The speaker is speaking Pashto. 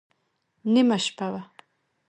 نیمه شپه وه.